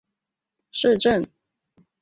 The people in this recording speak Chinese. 下齐梅尔恩是德国图林根州的一个市镇。